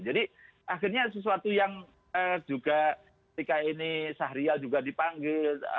jadi akhirnya sesuatu yang juga ketika ini syahrial juga dipanggil